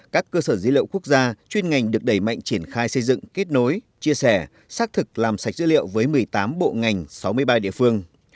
các cơ sở dữ liệu quốc gia chuyên ngành được đẩy mạnh triển khai xây dựng kết nối chia sẻ xác thực làm sạch dữ liệu với một mươi tám bộ ngành sáu mươi ba địa phương